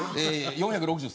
４６０！？